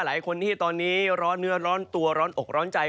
หลายคนที่ตอนนี้ร้อนเนื้อร้อนตัวร้อนอกร้อนใจ